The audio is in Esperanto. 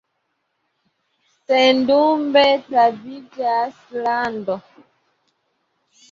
Sendube troviĝas lando.“